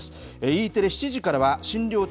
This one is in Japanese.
Ｅテレ、７時からは診療中！